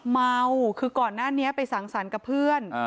เมาคือก่อนหน้านี้ไปสั่งสรรค์กับเพื่อน